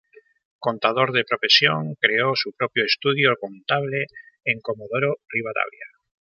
Contador de profesión, creó su propio estudio contable en Comodoro Rivadavia.